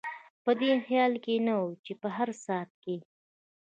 په دې خیال کې نه یو چې په هر ساعت کې.